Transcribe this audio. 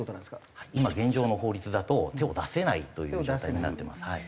今現状の法律だと手を出せないという状態になってます。